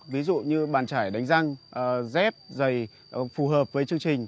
ví dụ như bàn chải đánh răng dép giày phù hợp với chương trình